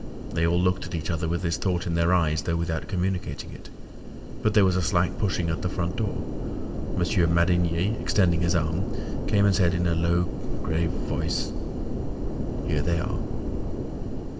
They all looked at each other with this thought in their eyes, though without communicating it. But there was a slight pushing at the front door. Monsieur Madinier, extending his arms, came and said in a low grave voice: "Here they are!"